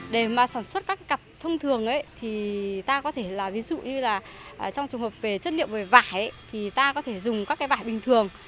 để sản xuất các cặp thông thường ta có thể dùng các loại bình thường